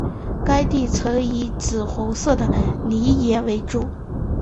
该地层以紫红色泥岩为主。